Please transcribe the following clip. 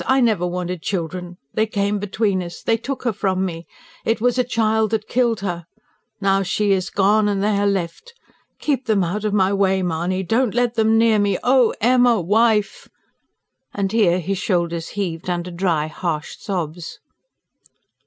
I never wanted children. They came between us. They took her from me. It was a child that killed her. Now, she is gone and they are left. Keep them out of my way, Mahony! Don't let them near me. Oh, Emma... wife!" and here his shoulders heaved, under dry, harsh sobs.